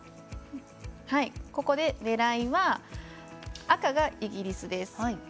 ここで狙いは、赤がイギリスです。